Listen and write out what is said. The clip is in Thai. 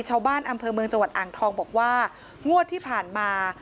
ชาวบ้านอำเภอเมืองจังหวัดอ่างทองบอกว่างวดที่ผ่านมา